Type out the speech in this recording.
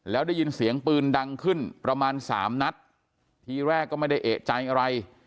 แล้วได้ยินเสียงปืนดังขึ้นประมาณสามนัดทีแรกก็ไม่ได้เอกใจอะไร